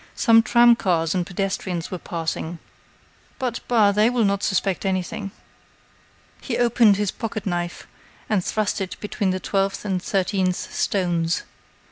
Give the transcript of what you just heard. Some tram cars and pedestrians were passing. But, bah, they will not suspect anything. He opened his pocketknife and thrust it between the twelfth and thirteenth stones.